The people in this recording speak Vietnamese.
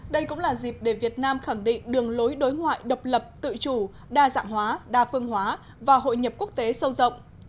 đây cũng là dịp để việt nam khẳng định đường lối đối ngoại độc lập tự chủ đa dạng hóa đa phương hóa và hội nhập quốc tế sâu rộng